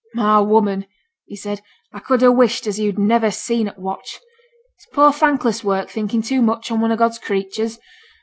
'My woman,' he said 'a could ha' wished as you'd niver seen t' watch. It's poor, thankless work thinking too much on one o' God's creatures.